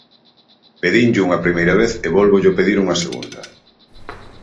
Pedinllo a primeira vez e vólvollo pedir unha segunda.